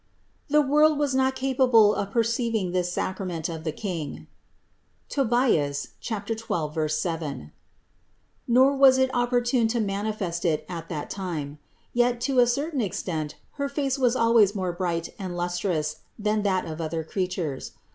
The world was not capable of perceiving this sacrament of the King (Tob. 12, 7), nor was it opportune to manifest it at that time. Yet to a certain extent her face was always more bright and lustrous than that of other creatures.